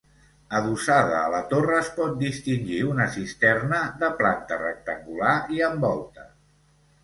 Adossada a la torre es pot distingir una cisterna, de planta rectangular i amb volta.